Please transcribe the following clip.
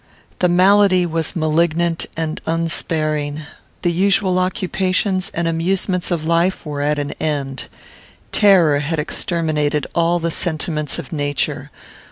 The malady was malignant and unsparing. The usual occupations and amusements of life were at an end. Terror had exterminated all the sentiments of nature.